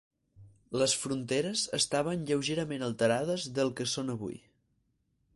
Les fronteres estaven lleugerament alterades del que són avui.